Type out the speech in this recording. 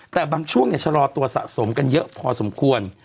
แต่บางช่วงชะลอตัวสะสมกันเยอะพอสมควร